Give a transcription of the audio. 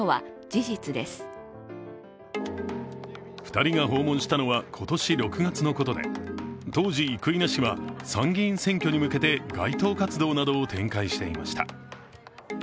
２人が訪問したのは今年６月のことで当時、生稲氏は参議院選挙に向けて街頭活動などを展開していました。